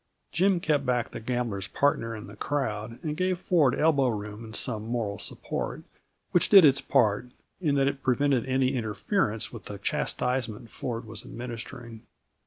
Jim kept back the gambler's partner and the crowd and gave Ford elbow room and some moral support, which did its part, in that it prevented any interference with the chastisement Ford was administering.